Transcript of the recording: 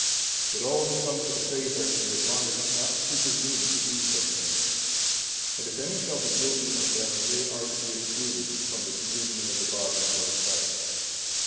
But all that come to the faith are to be admonished not to presume to do such things. And if any shall be guilty of them, they are to be excluded from the Communion of the Body and Blood of Christ.